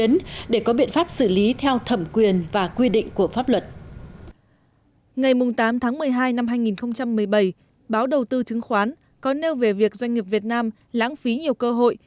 ngày tám tháng một mươi hai năm hai nghìn một mươi bảy báo đầu tư chứng khoán có nêu về việc doanh nghiệp việt nam lãng phí nhiều cơ hội